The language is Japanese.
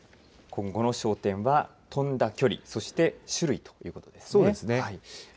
今後の焦点は飛んだ距離、そして種類ということですね。